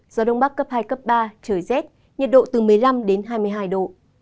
gió đông bắc đến đông cấp hai cấp ba trời rét nhà độ từ một mươi năm hai mươi hai độ